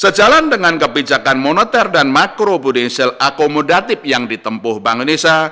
sejalan dengan kebijakan moneter dan makrobudensial akomodatif yang ditempuh bank indonesia